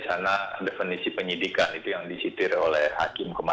karena definisi penyidikan itu yang disitir oleh hakim kemarin sekirang